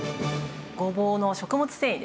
ごぼうの食物繊維ですね